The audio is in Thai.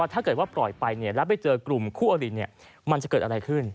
ถ้าเกิดว่าปล่อยไปแล้วไปเจอกลุ่มคู่อลินมันจะเกิดอะไรขึ้น